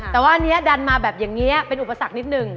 แต่ว่าอันนี้ดันมาแบบอย่างนี้เป็นอุปสรรคนิดนึง